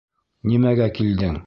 Нимәгә килдең?